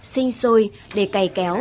xinh xôi để cày kéo